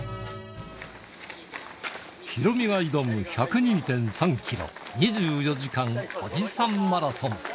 ヒロミが挑む１０２．３キロ、２４時間おじさんマラソン。